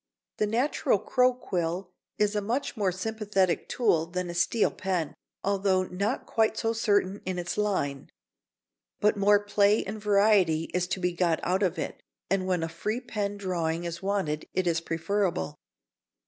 The natural crow quill is a much more sympathetic tool than a steel pen, although not quite so certain in its line. But more play and variety is to be got out of it, and when a free pen drawing is wanted it is preferable.